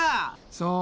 そう。